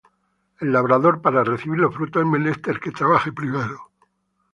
El labrador, para recibir los frutos, es menester que trabaje primero.